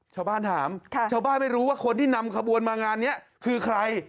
ชาวบ้านถามชาวบ้านไม่รู้ว่าคนที่นำขบวนมางานนี้คือใคร